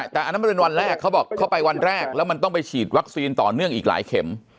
แต่อันนั้นมันเป็นวันแรกเขาบอกเขาไปวันแรกแล้วมันต้องไปฉีดวัคซีนต่อเนื่องอีกหลายเข็ม